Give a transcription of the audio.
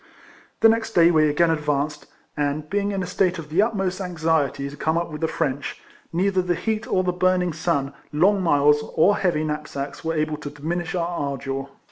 The next day we again advanced, and being in a state of the utmost anxiety to come up with the French, neither the heat of the burning sun, long miles, or heavy knapsacks were able to diminish our ardour.